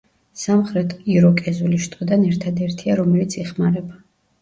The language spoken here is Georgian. სამხრეთ იროკეზული შტოდან ერთადერთია, რომელიც იხმარება.